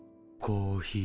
コーヒー。